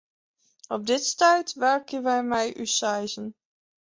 Op dit stuit wurkje wy mei ús seizen.